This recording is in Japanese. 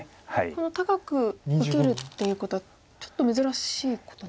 この高く受けるっていうことはちょっと珍しいことなんですか。